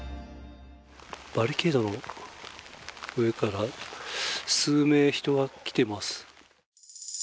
バリケードの上から数名、人が来ています。